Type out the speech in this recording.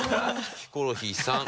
ヒコロヒーさん。